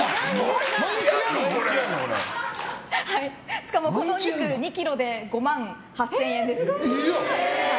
しかもこのお肉２ｋｇで５万８０００円です。